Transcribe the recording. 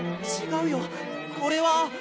ちがうよこれは。